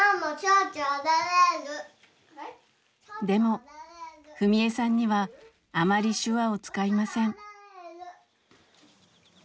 でも史恵さんにはあまり手話を使いません。